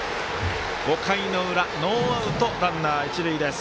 ５回の裏ノーアウト、ランナー、一塁です。